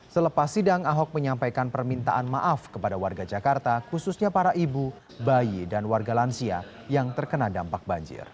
selepas sidang ahok menyampaikan permintaan maaf kepada warga jakarta khususnya para ibu bayi dan warga lansia yang terkena dampak banjir